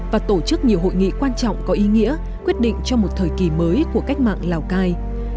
và tổ chức nhiều hội nghị quan trọng có ý nghĩa quyết định cho một thời kỳ mới của cách mạng lào cai